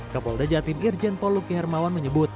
kapolda jatim irjen poluki hermawan menyebut